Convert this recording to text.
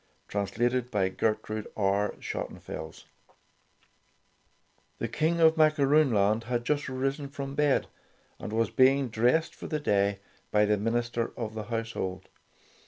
THE KING OF MACAROON LAND The King of Macaroon Land had just arisen from bed, and was being dressed for the day by the minister of the house hold.